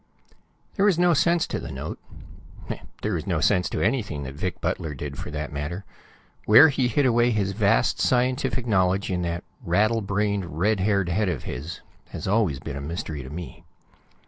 |++ There was no sense to the note. There was no sense to anything that Vic Butler did, for that matter. Where he hid away his vast scientific knowledge in that rattle brained, red haired head of his has always been a mystery to me.